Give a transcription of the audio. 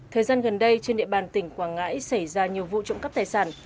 thời gian gần đây trên địa bàn tỉnh quảng ngãi xảy ra nhiều vụ trộm cắp tài sản